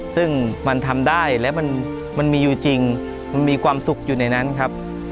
ซึ่งมันทำได้และมันมีอยู่จริงมันมีความสุขอยู่ในนั้นครับ